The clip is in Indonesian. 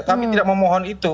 kami tidak memohon itu